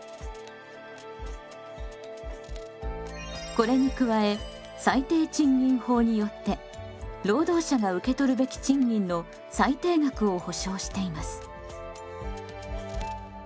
これに加え最低賃金法によって労働者が受け取るべき賃金の最低額を保障しています。